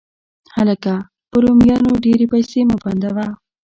هلکه! په رومیانو ډېرې پیسې مه بندوه